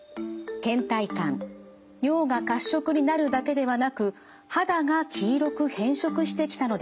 けん怠感尿が褐色になるだけではなく肌が黄色く変色してきたのです。